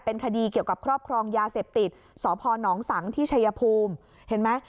คดีเกี่ยวกับครอบครองยาเสพติดสพนสังที่ชัยภูมิเห็นไหม